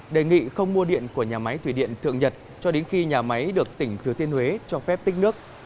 đề nghị không mua điện của nhà máy thủy điện thượng nhật cho đến khi nhà máy được tỉnh thừa thiên huế cho phép tích nước